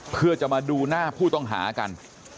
เพื่อจะมาดูหน้าผู้ต้องหากัน